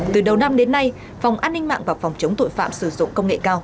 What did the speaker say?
từ đầu năm đến nay phòng an ninh mạng và phòng chống tội phạm sử dụng công nghệ cao